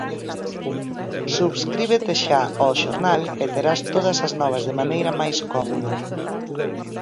Subscríbete xa ao xornal e terás todas as novas de maneira máis cómoda.